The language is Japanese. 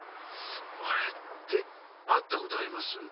あれって遭ったことあります？